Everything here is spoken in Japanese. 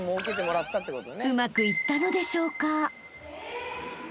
［うまくいったのでしょうか？］